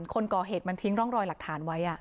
คนก่อเหตุมันทิ้งร่องรอยหลักฐานไว้